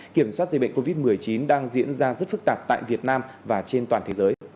kiểm soát dịch bệnh covid một mươi chín đang diễn ra rất phức tạp tại việt nam và trên toàn thế giới